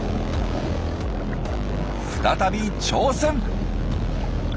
再び挑戦。